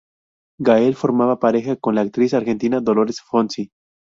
Gael formaba pareja con la actriz argentina Dolores Fonzi.